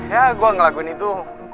ya gue ngelakuin itu